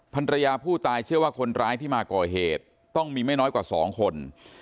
ภรรยาผู้ตายเชื่อว่าคนร้ายที่มาก่อเหตุต้องมีไม่น้อยกว่า๒คน